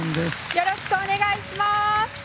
よろしくお願いします。